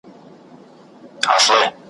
شیخه زما او ستا بدي زړه ده له ازله ده `